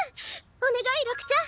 お願い六ちゃん！